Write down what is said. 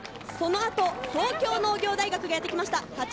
その後、東京農業大学がやってきました。